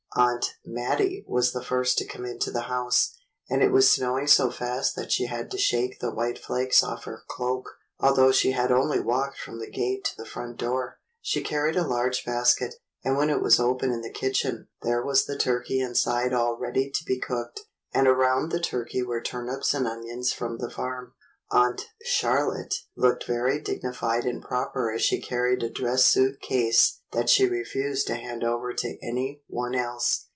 Aunt Mattie was the first to come into the house, and it was snowing so fast that she had to shake the white flakes off her cloak, although she had only walked from the gate to the front door. She carried a large basket, and when it was opened in the kitchen there was the turkey in side all ready to be cooked, and around the turkey were turnips and onions from the farm. Aunt Char lotte looked very dignified and proper as she carried a dress suit case that she refused to hand over to any one else.